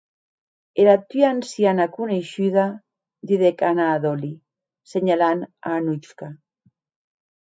Era tua anciana coneishuda, didec Anna a Dolly, senhalant a Anuchka.